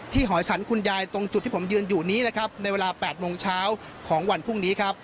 หอฉันคุณยายตรงจุดที่ผมยืนอยู่นี้นะครับในเวลา๘โมงเช้าของวันพรุ่งนี้ครับ